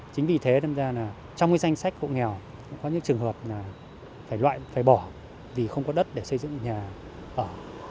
chính vì thế trong danh sách hộ nghèo có những trường hợp là phải loại phải bỏ vì không có đất để xây dựng nhà ở